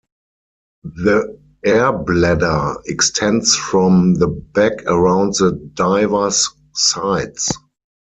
The air bladder extends from the back around the diver's sides.